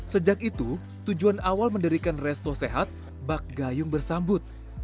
sejak itu tujuan awal mendirikan resto sehat bak gayung bersambut